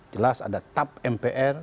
jelas ada tab mpr